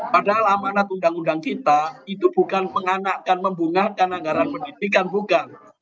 padahal amanat undang undang kita itu bukan menganakkan membungakan anggaran pendidikan bukan